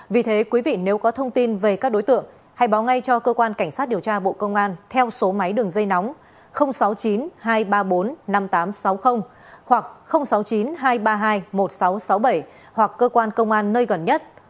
vì thế quý vị nếu có thông tin về các đối tượng hãy báo ngay cho cơ quan cảnh sát điều tra bộ công an theo số máy đường dây nóng sáu mươi chín hai trăm ba mươi bốn năm nghìn tám trăm sáu mươi hoặc sáu mươi chín hai trăm ba mươi hai một nghìn sáu trăm sáu mươi bảy hoặc cơ quan công an nơi gần nhất